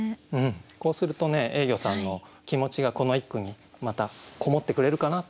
こうするとねえいぎょさんの気持ちがこの一句にまたこもってくれるかなと思います。